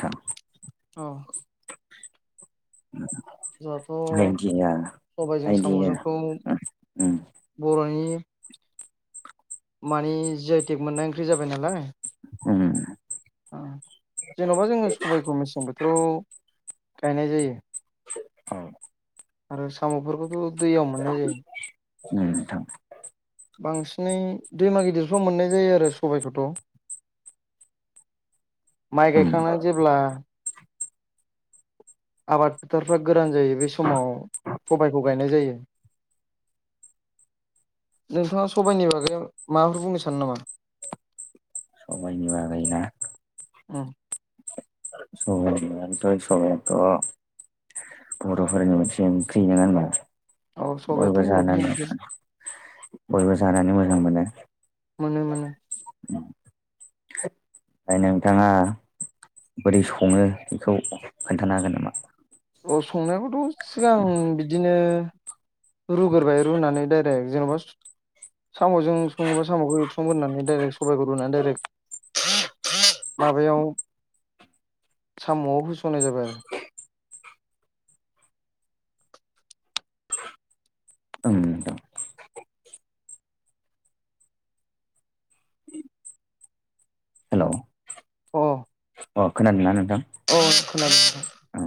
थां औ। [inaudible] जोंहाथ' सबायजों साम'जोंखौ [inaudible] बर'नि मानि जि आइ टेक मोननाय ओंख्रि जाबाय नालाय। उम। जेन'बा जोङो सबायखौ मेसें बोथोराव गायनाय जायो। औ। आरो साम'फोरखौथ' दैयाव मोननाय जायो। उम नोंथां। बांसिनै दैमा गिदिरफ्राव मोननाय जायो आरो सबायखौथ'। माइ उम गायखांनानै जेब्ला आबाद फोथारफ्रा गोरान जायो बे समाव सबायखौ गायनाय जायो। नोंथाङा सबायनि बागै माबाफोर बुंनो सानो नामा? समायनि बागायना उम। ओरैनोथ' सबायाथ' बर'फोरनि मोनसे ओंख्रि नङा होनबा। औ सबायाथ' बयबो बर'फोरनि जानानै ओंख्रि बयबो जानानै मोजां मोनो। मोनो मोनो। ओमफ्राय नोंथाङा बोरै सङो बेखौ खोन्थानो हागोन नामा? अ संनायखौथ' सिगां बिदिनो रुगोरबाय रुनानै दाइरेक्ट जेन'बा साम'जों सङोबा साम'खौ एवथ्रम बोननानै दाइरेक्ट सबायखौ रुनानै दाइरेक्ट माबायाव साम'आव होस'ननाय जाबाय आरो। ओं नोंथां। हेलौ अ अ खोनादों ना नोंथां? अ खोनादों नोंथां। औ।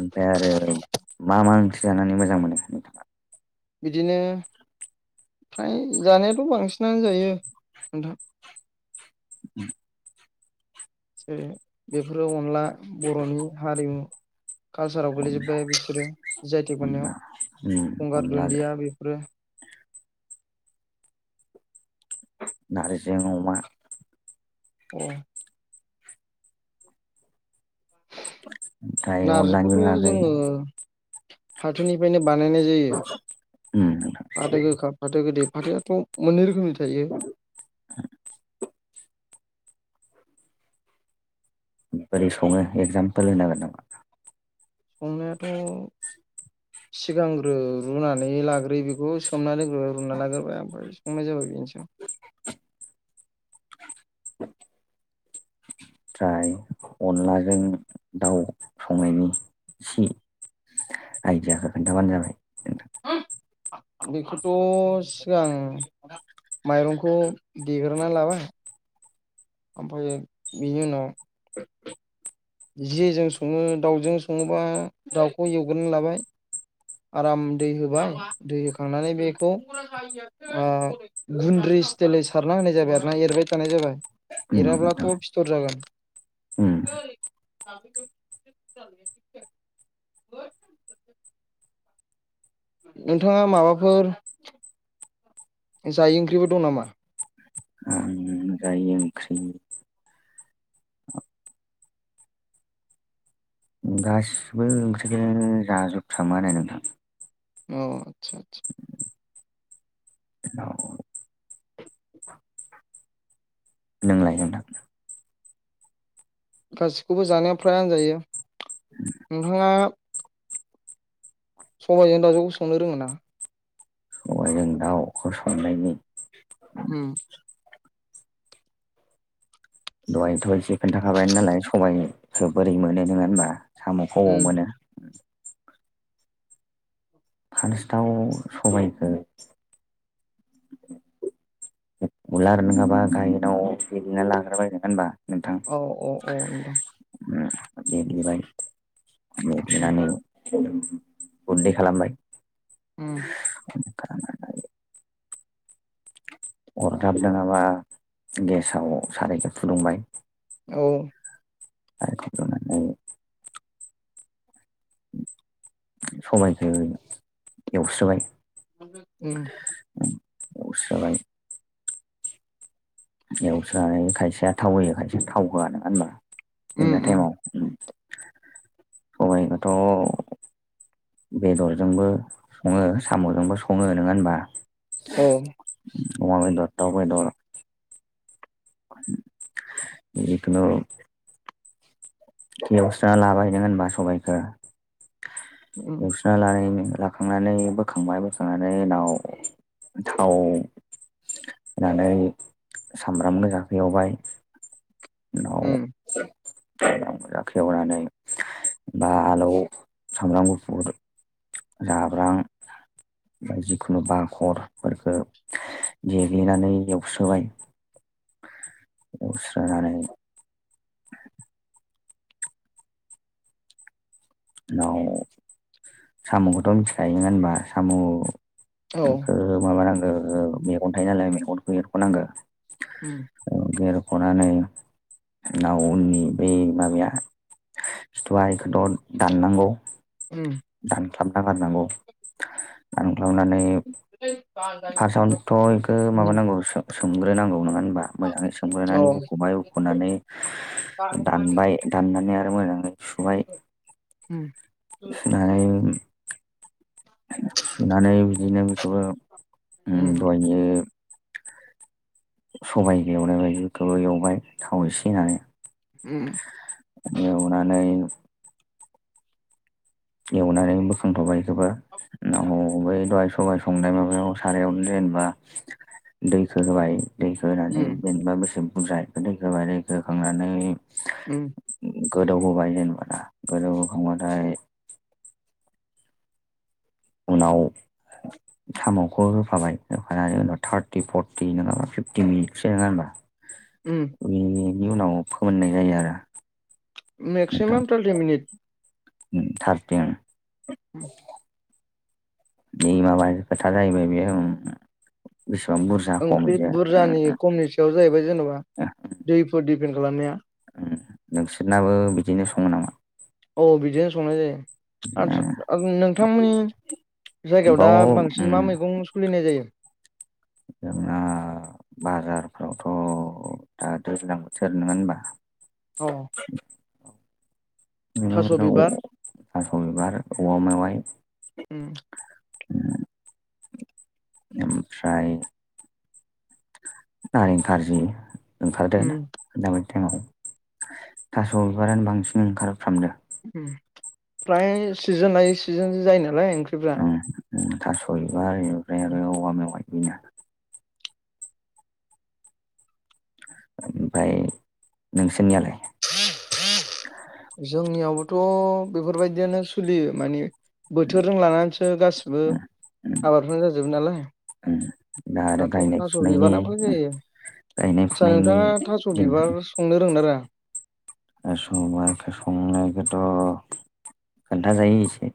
ओमफ्राय आरो मा मा ओंख्रि जानानै मोजां मोनो नोंथाङा? बिदिनो फ्राय जानायाथ' बांसिनानो जायो नोंथां। उम। जेरै बेफोरो अनला बर'नि हारिमु कालसाराव अनला गोलैजोबबाय बिफोरो जि आइ थेग अनला मोननायाव उम गंगार अनलाजों दुन्दिया बेफोरो। नार्जि अमा अ ओमफ्राय अनलानि नार्जिखौथ' बागै जोङो फाथोनिफ्रायनो बानायनाय जायो। उम। फाथो गोखा फाथो गोदै फाथोआथ' मोननै रोखोमनि थायो। बोरै सङो एगजामपोल होनो हागोन नामा? संनायाथ' सिगांग्रो रुनानै लाग्रोयो बेखौ सोमनानै ओ रुना लाग्रोबबाय ओमफ्राय संनाय जाबाय बेनोसै। ओमफ्राय अनलाजों दाउ संनायनि इसे आइदियाखौ खोन्थाबानो जाबाय। नोंथां [inaudible] बेखौथ' सिगां माइरंखौ देगोरनानै लाबाय। ओमफाय बिनि उनाव जेजों सङो दाउजों सङोबा दाउखौ एवगोरना लाबाय। आराम दै होबाय दै होखांनानै बेखौ [inaudible] ओ गुन्द्रि स्टेलै सारना होनाय जाबाय आरो ना एरबाय थानाय जाबाय। उम नोंथां एराब्लाथ' फिथर जागोन। उम। [unintelligible] [unintelligible] [unintelligible] नोंथाङा माबाफोर जायि ओंख्रिबो दं नामा? आं जायि ओंख्रि गासिबो ओंख्रिखोनो जाजोबफ्रामो आरो नोंथां। अ आतसा [unintelligible] [inaudible] [inaudible] नोंलाय नोंथां। गासिखौबो जानाया फ्रायानो जायो। नोंथाङा सबाइजों दावजोंखौ संनो रोङो ना? सबाय जों दाउ खौ संनायनि उम दहाय थ' एसे खोन्थाखाबाय नालाय सबाइखो बोरै मोनो नोङा होनबा साम'खौ ओबाव उम मोनो। फार्स्टआव सबायखो उलार नोङाबा गायेनाव देग्लिना लाग्रोबाय नोङा होनबा नोंथां। औ औ नोंथां ओम देग्लिबाय उम देग्लिनानै गुन्दै खालामबाय। ओम [unintelligible] अरदाब नोङाबा गेसाव सारायखो फुदुंबाय। औ [inaudible] आरो फुदुंनानै [inaudible] [inaudible] समायखो एवस्रोबाय। [inaudible] उम [inaudible] एवस्रोबाय। एवस्रानै खायसेया थाव होयो खायसेया थाव होआ नङा होनबा उम एवनाय उम टाइमाव। ओम सबायखोथ' बेदरजोंबो सङो साम'जोंबो सङो नोङा होनबा। औ उम अमा बेदर दाव बेदर [inaudible] जिखुनु एवस्राना लाबाय नोङा होनबा सबायाइखो उम [inaudible] लानायनि लाखांनानै बोखांबाय बोखांनानै उनाव थाव होननानै सामब्राम गोजाखो एवबाय [unintelligible] उम [inaudible] [unintelligible] बा आलौ सामब्राम गुफुर जाब्रां जिखुनु बाखरफोरखो देग्लिनानै एवस्रोबाय। एवस्रानानै उनाव सामखौथ' मिथिखायो नङा होनबा साम औ खो माबानांगो मेगन थायो नालाय मेगनखौ एरख'नांगो। उम ओ एरख'नानै नाव उननि बै माबाया खिथुवा एखोद दाननांगौ उम दानख्लाबना गारनांगौ दानख्लाबनानै [unintelligible] फार्स्टआवथ' एखो उम माबानांगौ सो-सोमग्रोनांगौ न मानो होनबा मोजाङै औ सोमग्रोनानै उम हुख'बाय हुख'नानै दानबाय दाननानै आरो मोजाङै सुबाय। उम। सुनानै सुनानै बिदिनो बेखौबो उम दहायनियो सबाइखो एवनाय बायदि इखौबो एवबाय थाव एसे होननानै। उम। एवनानै एवनानै बोखांथ'बाय इखौबो। नाव बै दहाय सबाइ संनाय माबायाव सारायावनो जेनेबा दैखो होबाय दैखो होनानै उम जेनेबा बेसे बुरजा [unintelligible] होबाय दैखौ होखांनानै उम गोदौहोबाय जेनेबाना दा गोदौहोखांबाथाय उनाव साम'खौ होफाबाय होफानानै उनाव थार्टि फरटि नोङाबा फिफ्टि मिनिटसो नङा होनबा? उम। [unintelligible] नि उनाव फोमोननाय जायो आरो। मेक्सिमाम टुन्टि मिनिट उम टार्टिन उ बे माबा खोथा जाहैबाय बेये उम उम बेसेबां बुरजा खम बिदिया ओ ओ। बेयाव जाहैबाय जेन'बा दैफोर डिपेन्ड खालामनाया उम नोंसिरनाबो बिदिनो सङो नामा? औ बिदिनो संनाय जायो। आदसा नोंथांमोननि जायगायाव दा बाव बांसिन मा मैगं सलिनाय जायो? जोंना बाजारफ्रावथ' दा दैज्लां बोथोर नोङा होनबा? अ थास' बिबार [unintelligible] थास' बिबार औवा मेवाइ। उम। ओमफ्राय नारें खारजि। ओंखारदो आरो उम ना दाबादि टाइमाव। थास' बिबारानो बांसिन ओंखारफ्रामदो। उम फ्राय सिजोन सिजोनसो जायो नालाय ओंख्रिफ्रा। उम ओ थास' एनिफ्राय आरो औवा मेवाय बेनो। ओमफाय नोंसिनियालाय? जोंनियावबोथ' बेफोरबायदियानो सोलियो माने बोथोरजों लानानैसो गासिबो उम उम आबादफोरानो जाजोबो नालाय। उम। दा आरो दाथ' गायनाय थास' फुनायनि बिबारानो उम जायो गायनाय आदसा फुनायनि नोंथाङा थास' दिन। बिबार संनो रोंगोन ना रोङा? आरो संबाख संनायखोथ' खोन्थाजायो इसे।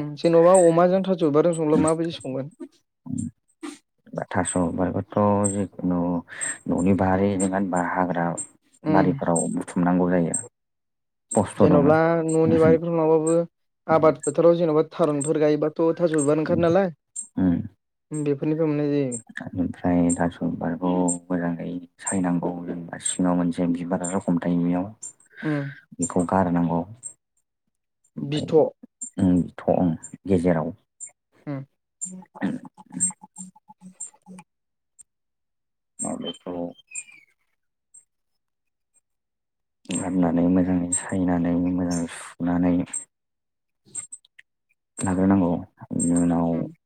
उम जेन'बा अमाजों थास' बिबारजों संब्ला माबायदि संगोन? बा थास' बिबारबाथ' जिखुनु न'नि बारि नोङा होनबा? हाग्रा बारिफ्राव बुथुमनांगौ जायो। खस्थ' दङ जेन'ब्ला न'नि उम बारिफोराव नङाब्लाबो आबाद फोथ थोराव जेन'बा थारुनफोर गायोबाथ' थास' बिबार ओंखारो उम नालाय। बेफोरनिफ्राय मोननाय जायो। आरो ओमफ्राय थास'बिबारखौ मोजाङै सायनांगौ जेनेबा सिङाव मोनसे बिबारा रखम थायो बेैयाव। बेखौ गारनांगौ बिथ' ओम थ'ओम गेजेराव [unintelligible] [unintelligible] बेखौ गारनानै मोजाङै सायनानै मोजाङै सुनानै लाग्रोनांगौ बिनि उनाव [unintelligible]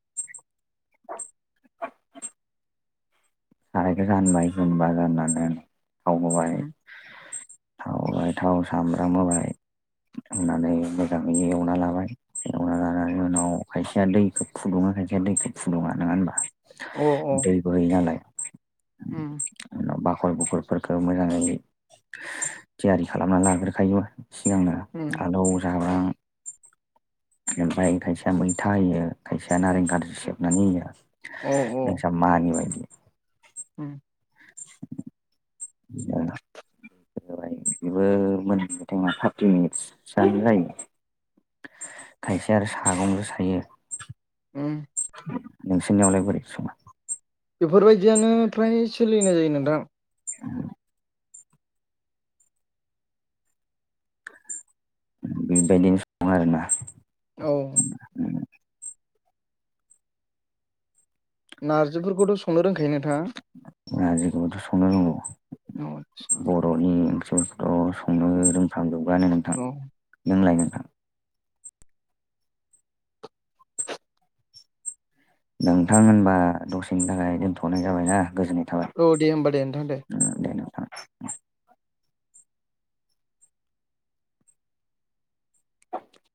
सारायखौ जानबाय जोमबा जाननानै [unintelligible] [unintelligible] थाव सामब्राम होबाय होननानै मोजाङै एवना लाबाय एवना लानानै उनाव खायसेया दैखौ फुदुङो खायसेया दैखौ फुदुङा नङा होनबा। अ दैबो [unintelligible] नालाय [unintelligible] बाखल बुखुरफोरखौ मोजाङै थियारि खालामना लाग्रोखायो सिगांनो आलौ जाब्रां ओमफ्राय खायसेया मैथा होयो खायसेया नारें खारजि सेबनानै अ होयो [unintelligible] मानि बायदि उम [unintelligible] [unintelligible] बेबो मोन [unintelligible] थार्टि मिनिटसआनो जायो। खायसे आरो सागंजों सायो। [unintelligible] नोंसोरनियावलाय बोरै संगो बेफोरबायदियानो फ्राय सोलिनाय जायो नोंथां। [unintelligible] बेबायदिनो सङो आरोना। औ नारजिफोरखौथ' संनो रोंखायो नोंथाङा। नारजिखौबोथ' संनो रोंगौ औ आदसा बर'नि ओंख्रिफोरखौथ' [unintelligible] रोंफामजोबगोआनो नोंथां औ नोंलाय नोंथां। नोंथां होनबा दसेनि थाखाय दोनथ'नाय जाबायना गोजोननाय थाबाय। औ दे होनोमबा दे नोंथां दे। [unintelligible]